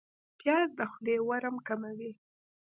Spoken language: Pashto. پیاز د خولې ورم کموي